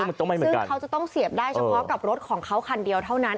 ซึ่งเขาจะต้องเสียบได้เฉพาะกับรถของเขาคันเดียวเท่านั้น